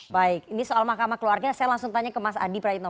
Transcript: baik ini soal mahkamah keluarganya saya langsung tanya ke mas hadi prairno